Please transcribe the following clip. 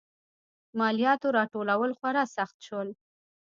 مالیاتو راټولول خورا سخت شول.